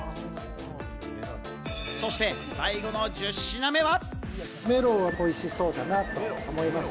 そして最後の１０品目は。